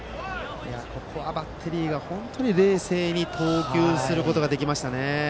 ここはバッテリーが冷静に投球することができました。